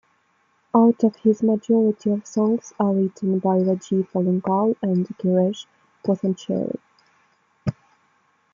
Out of his majority of songs are written by Rajeev Alunkal and Gireesh puthanchery.